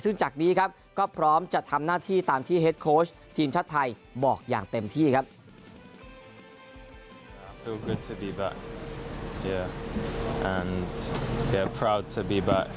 ซึ่งจากนี้ครับก็พร้อมจะทำหน้าที่ตามที่เฮดโค้ชทีมชาติไทยบอกอย่างเต็มที่ครับ